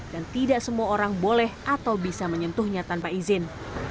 dan tidak semua orang boleh atau bisa menyentuhnya tanpa izin